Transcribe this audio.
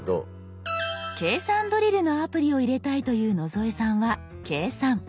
計算ドリルのアプリを入れたいという野添さんは「計算」。